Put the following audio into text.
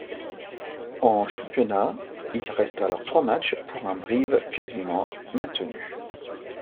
En Championnat, il reste alors trois matchs pour un Brive quasiment maintenu.